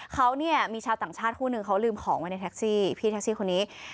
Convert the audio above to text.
เขาเนี่ยมีชาวต่างชาติคู่นึงเขาลืมของไว้ในแท็กซี่พี่แท็กซี่คนนี้